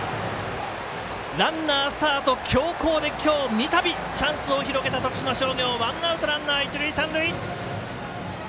ランナースタート強攻で今日、三度チャンスを広げた徳島商業ワンアウト、ランナー、一塁三塁。